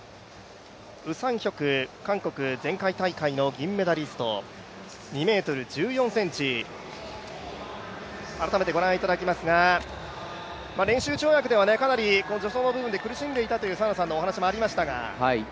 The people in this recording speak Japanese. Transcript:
ウ・サンヒョク、韓国前回大会の銀メダリスト２ｍ１４ｃｍ、改めてご覧いただきますが練習跳躍ではかなり助走の部分で苦しんでいるという澤野さんのお話もありましたが。